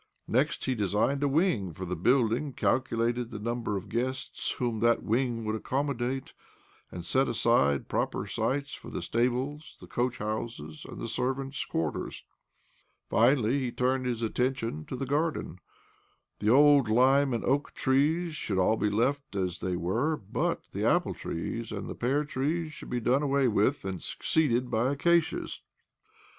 Next, he designed a wing for the building, calculated the number of guests whom that wing would accommodate, and set aside proper sites for the stables, the coachhouses, and the servants' quarters. Finally he turned his attention to the garden. The old lime and oak trees should all be left as they were, but the apple trees and pear trees should be done away with, and suc ceeded by acacias.